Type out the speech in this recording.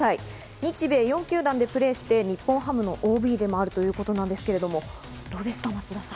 日米４球団でプレーして日本ハムのＯＢでもあるということですが、どうですか？